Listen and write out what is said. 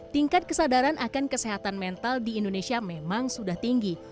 tingkat kesadaran akan kesehatan mental di indonesia memang sudah tinggi